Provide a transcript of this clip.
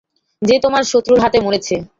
যে তোমার শত্রুর হাতে মরেছে।